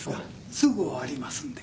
すぐ終わりますんで。